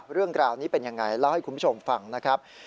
เรื่องราวนี้เป็นยังไงเล่าให้คุณผู้ชมฟังนะครับ